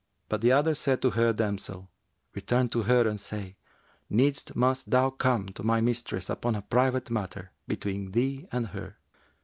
But the other said to her damsel, 'Return to her and say, 'Needs must thou come to my mistress upon a private matter between thee and her!'